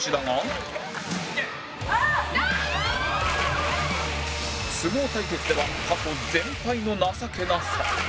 普段は相撲対決では過去全敗の情けなさ